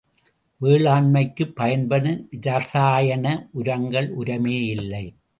வேளாண்மைக்குப் பயன்படும் இரசாயன உரங்கள் உரமே இல்லை.